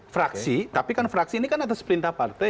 fraksi tapi kan fraksi ini kan atas perintah partai